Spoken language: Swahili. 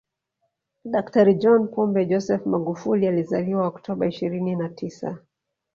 Daktari John Pombe Joseph Magufuli alizaliwa Oktoba ishirini na tisa